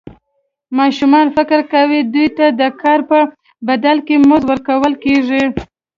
ماشومان فکر کوي دوی ته د کار په بدل کې مزد ورکول کېږي.